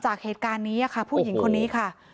จากเหตุการณ์นี้ค่ะผู้หญิงคนนี้ค่ะ